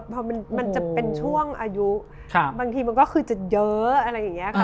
พอมันจะเป็นช่วงอายุบางทีมันก็คือจะเยอะอะไรอย่างนี้ค่ะ